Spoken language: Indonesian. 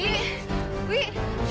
kenapa ada tiket gini sih